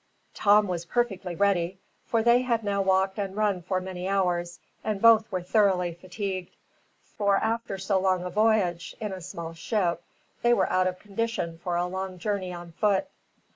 Tom was perfectly ready, for they had now walked and run for many hours, and both were thoroughly fatigued; for after so long a voyage, in a small ship, they were out of condition for a long journey on foot.